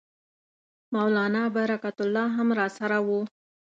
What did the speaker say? مولنا برکت الله هم راسره وو.